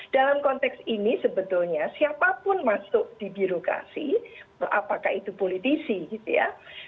dalam konteks ini sebetulnya siapapun masuk di birokrasi apakah itu politisi gitu ya